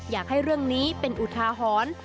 อยากให้เรื่องนี้เป็นอุทาหรณ์